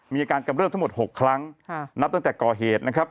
กำเริบทั้งหมด๖ครั้งนับตั้งแต่ก่อเหตุนะครับ